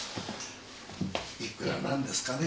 いくらなんですかね。